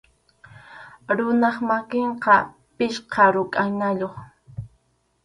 Runap makinqa pichqa rukʼanayuq.